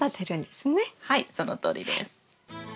はいそのとおりです。